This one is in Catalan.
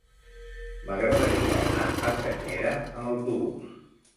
M'agradaria anar a Senyera amb autobús.